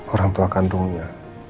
orang tua kandungnya